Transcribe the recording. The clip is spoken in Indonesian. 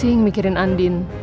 pusing mikirin andin